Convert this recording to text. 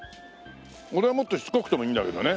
俺はもっとしつこくてもいいんだけどね。